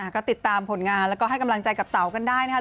ก็ติดตามผลงานแล้วก็ให้กำลังใจกับเต๋ากันได้นะครับ